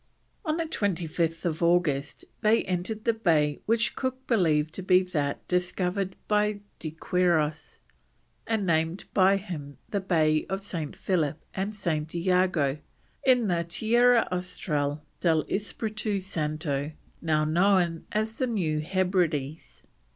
On 25th August they entered the bay which Cook believed to be that discovered by De Quiros, and named by him the Bay of St. Philip and St. Iago in the Tierra Austral del Espiritu Santo, now known as the New Hebrides.